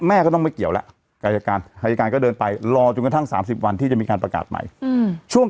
แน่นอนว่าเขาจะมีหิง